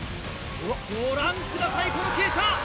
ご覧ください、この傾斜。